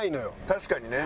確かにね。